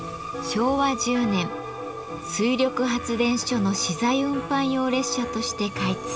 昭和１０年水力発電所の資材運搬用列車として開通。